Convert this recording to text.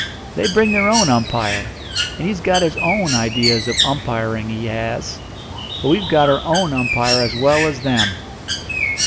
"They bring their own umpire, and he's got his own ideas of umpiring, he has. But we've got our own umpire as well as them."